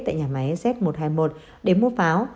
tại nhà máy z một trăm hai mươi một để mua pháo